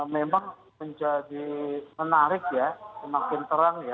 memang menjadi menarik ya semakin terang ya